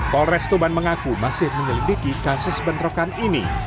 polres tuban mengaku masih menyelidiki kasus bentrokan ini